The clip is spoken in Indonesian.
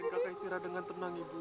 biarin kakai syira dengan tenang ibu